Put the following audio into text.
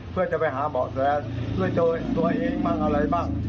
เพื่อจะไปหาเบาะแสด้วยตัวเองบ้างอะไรบ้าง